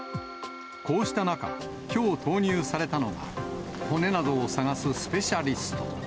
こうした中、きょう投入されたのが、骨などを捜すスペシャリスト。